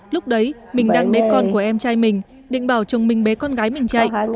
lúc đấy mình đang bế con của em trai mình định bảo chồng mình bế con gái mình chạy